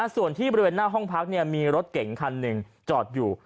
ส่วนที่บริเวณหน้าห้องพักมีรถเก่งคันหนึ่งจอดอยู่